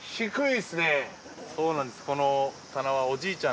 そうなんです。